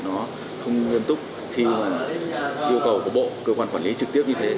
nó không nghiêm túc khi mà yêu cầu của bộ cơ quan quản lý trực tiếp như thế